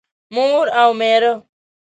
مور او مېره